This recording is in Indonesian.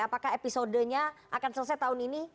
apakah episodenya akan selesai tahun ini